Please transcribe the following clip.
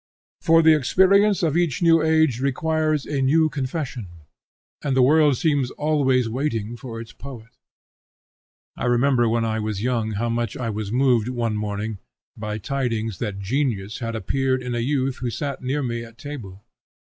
For the experience of each new age requires a new confession, and the world seems always waiting for its poet. I remember when I was young how much I was moved one morning by tidings that genius had appeared in a youth who sat near me at table.